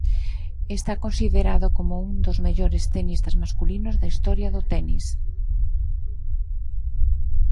Está considerado como un dos mellores tenistas masculinos da historia do tenis.